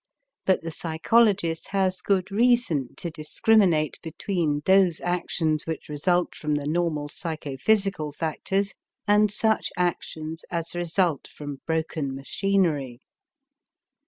But the psychologist has good reason to discriminate between those actions which result from the normal psychophysical factors and such actions as result from broken machinery.